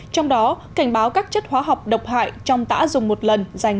trong đó cảnh báo các chất hóa học độc hại trong tả dùng một lần